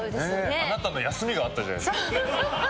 あなたの休みがあったじゃないですか。